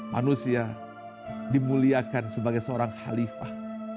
manusia dimuliakan sebagai seorang halifah